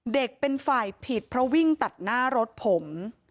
เป็นฝ่ายผิดเพราะวิ่งตัดหน้ารถผม